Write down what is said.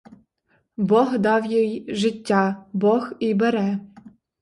Бог дав їй життя, бог і бере.